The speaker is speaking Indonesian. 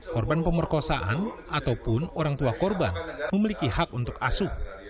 korban pemerkosaan ataupun orang tua korban memiliki hak untuk asuh